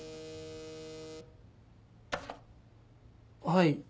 はい。